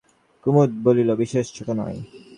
কুমুদ বলিল, বিশেষ ছোট নয়।